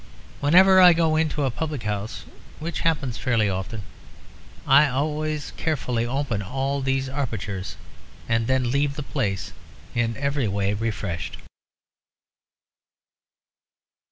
Whenever I go into a public house, which happens fairly often, I always carefully open all these apertures and then leave the place, in every way refreshed.